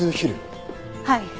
はい。